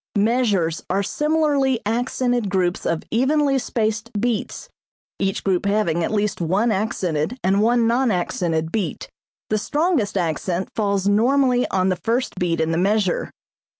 Measures are similarly accented groups of evenly spaced beats, each group having at least one accented and one non accented beat. The strongest accent falls normally on the first beat in the measure.